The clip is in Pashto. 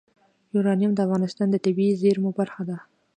یورانیم د افغانستان د طبیعي زیرمو برخه ده.